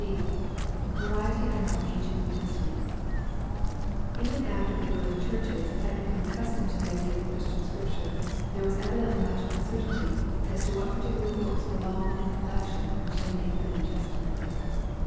' b) Variety among ancient New Testaments. — ^Even after the early churches had become accustomed to the idea of a Christian Scripture, there was evidently much uncertainty as to what particular books belonged in the collection which they named the New Testament.